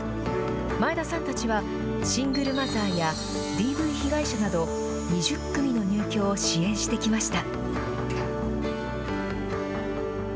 前田さんたちは、シングルマザーやＤＶ被害者など、２０組の入居を支援してきました。